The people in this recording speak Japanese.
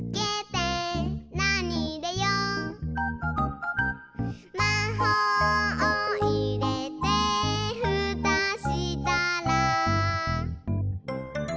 「なにいれよう？」「まほうをいれてふたしたら」